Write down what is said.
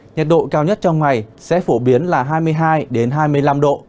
nhiệt độ cao nhất trong ngày sẽ phổ biến là hai mươi hai hai mươi năm độ